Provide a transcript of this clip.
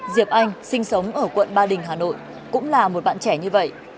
diệp anh sinh sống ở quận ba đình hà nội cũng là một bạn trẻ như vậy